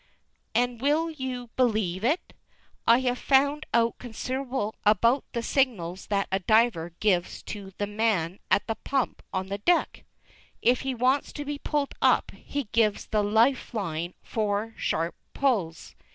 And will you believe it? I have found out considerable about the signals that a diver gives to the man at the pump on deck. If he wants to be pulled up, be gives the life line four sharp pulls.